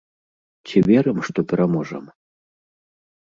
Ці верым, што пераможам?